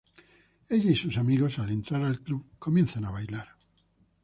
Ella y sus amigos al entrar al club comienzan a bailar.